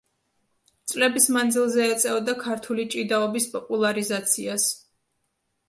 წლების მანძილზე ეწეოდა ქართული ჭიდაობის პოპულარიზაციას.